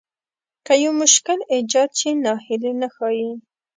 که يو مشکل ايجاد شي ناهيلي نه ښايي.